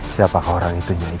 siapa kau orang itu dewi